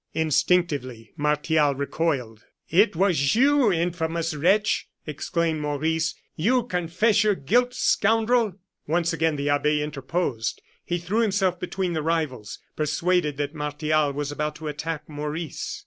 Instinctively Martial recoiled. "It was you, infamous wretch!" exclaimed Maurice. "You confess your guilt, scoundrel?" Once again the abbe interposed; he threw himself between the rivals, persuaded that Martial was about to attack Maurice.